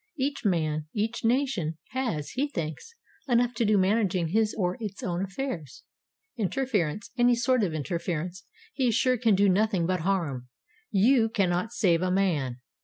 Each man, each nation, has, he thinks, enough to do managing his or its own affairs. Interference, any sort of interference, he is sure can do nothing but harm. You cannot save a man.